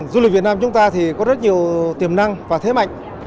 du lịch việt nam chúng ta thì có rất nhiều tiềm năng và thế mạnh